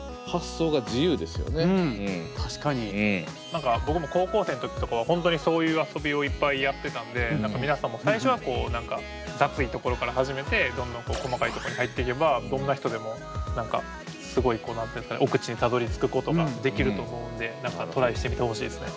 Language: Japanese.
何か僕も高校生の時とかは本当にそういう遊びをいっぱいやってたんで何か皆さんも最初はこう何か雑いところから始めてどんどん細かいとこに入っていけばどんな人でもすごい奥地にたどりつくことができると思うんでトライしてみてほしいですね。